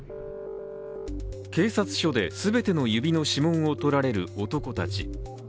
警察署で全ての指の指紋をとられる男たち。